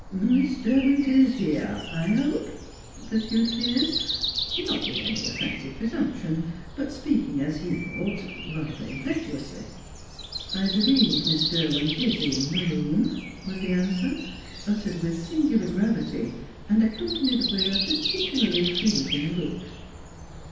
"Miss Derwent is here, I hope?" pursued Piers; not with any offensive presumption, but speaking as he thought, rather impetuously. "I believe Miss Derwent is in the room," was the answer, uttered with singular gravity and accompanied with a particularly freezing look.